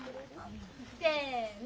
せの！